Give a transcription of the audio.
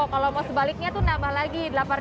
kalau mau sebaliknya tuh nambah lagi